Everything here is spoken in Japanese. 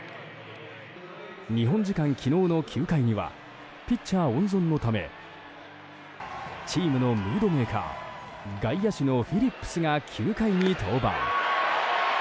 日本時間昨日の９回にはピッチャー温存のためチームのムードメーカー外野手のフィリップスが９回に登板。